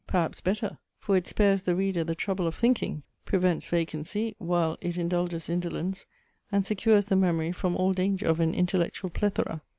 Perhaps better: for it spares the reader the trouble of thinking; prevents vacancy, while it indulges indolence; and secures the memory from all danger of an intellectual plethora.